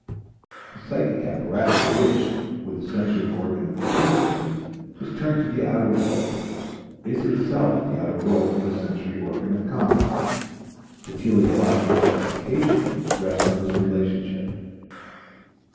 The psychic apparatus which, with the sensory organs of the P system, is turned to the outer world, is itself the outer world for the sensory organ of Cons.; the teleological justification of which rests on this relationship.